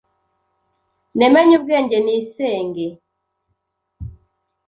Nemenye ubwenge nisenge